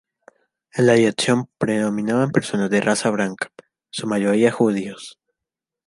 En la dirección predominaban personas de raza blanca, en su mayoría judíos.